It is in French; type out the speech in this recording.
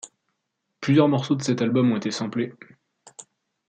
Plusieurs morceaux de cet album ont été samplés.